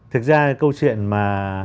thực ra câu chuyện mà